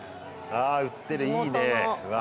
あ売ってるいいねうわ